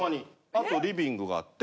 あとリビングがあって。